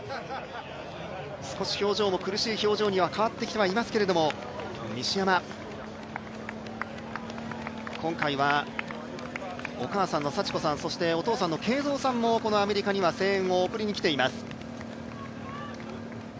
少し表情も苦しい表情には変わってきてはいますけども西山、今回はお母さんの幸子さんそして、お父さんの圭三さんもアメリカには声援を送りに来ています。